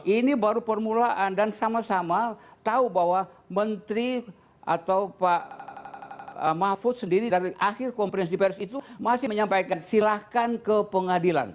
ini baru permulaan dan sama sama tahu bahwa menteri atau pak mahfud sendiri dari akhir konferensi pers itu masih menyampaikan silahkan ke pengadilan